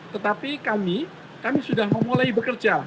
tetapi kami kami sudah memulai bekerja